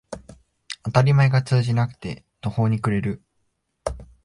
当たり前が通じなくて途方に暮れる